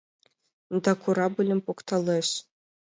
Да корабльым покталеш.